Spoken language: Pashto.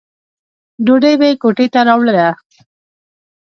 ډوډۍ به یې کوټې ته راوړله.